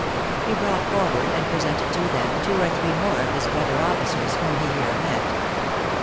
He brought forward and presented to them two or three more of his brother officers whom he here met.